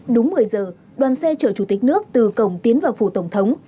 đúng một mươi giờ đoàn xe chở chủ tịch nước từ cổng tiến vào phủ tổng thống